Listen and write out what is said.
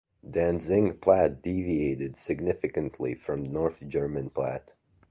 Danzig Platt deviated significantly from North German Platt.